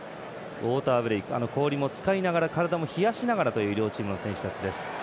ウォーターブレイク氷も使いながら体も冷やしながらという両チームの選手たちです。